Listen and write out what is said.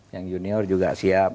yang junior juga siap